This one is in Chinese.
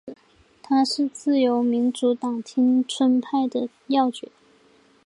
他是自由民主党町村派的要角。